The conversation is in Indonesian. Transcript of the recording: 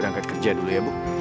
lengar jangan dulu mali